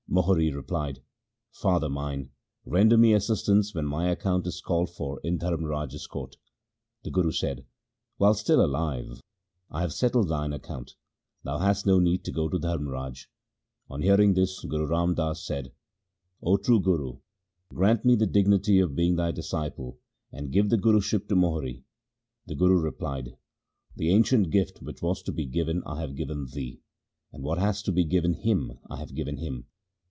Mohri replied, ' Father mine, render me assistance when my account is called for in Dharm raj's court.' The Guru said, ' While still alive I have settled thine account. Thou hast no need to go to Dharmraj.' On hearing this Guru Ram Das said, 'O true Guru, grant me the dignity of being thy disciple and give the Guruship to Mohri.' The Guru replied, ' The ancient gift which was to be given I have given thee ; and what was to be given him, I have given him.